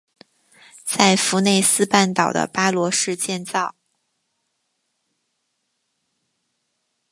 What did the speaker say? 在弗内斯半岛的巴罗市建造。